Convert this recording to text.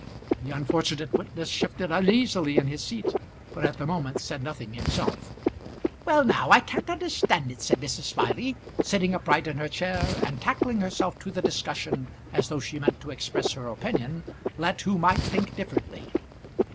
The unfortunate witness shifted uneasily in his seat, but at the moment said nothing himself. "Well, now, I can't understand it," said Mrs. Smiley, sitting upright in her chair, and tackling herself to the discussion as though she meant to express her opinion, let who might think differently.